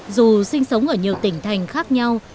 dù sinh sống ở nhiều tỉnh thành khác nhau